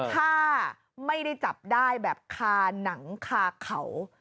ถ้าไม่ได้จับได้แบบคาหนังคาเขา